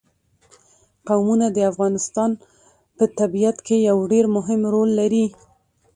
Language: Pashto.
قومونه د افغانستان په طبیعت کې یو ډېر مهم رول لري.